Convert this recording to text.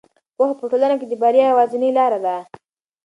پوهه په ټولنه کې د بریا یوازینۍ لاره ده.